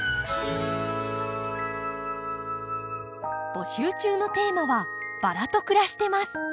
募集中のテーマは「バラと暮らしてます！」。